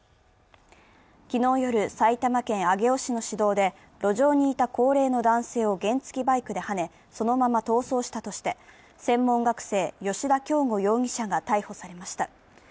昨日夜埼玉県上尾市の市道で路上にいた高齢の男性を原付バイクではね、そのまま逃走したとして、専門学生吉田京五容疑者が逮捕されました。